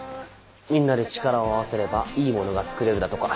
みんなで力を合わせればいいものが作れるだとか。